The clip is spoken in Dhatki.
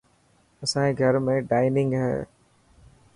اسائي گهر ۾ ڊائنگ هي.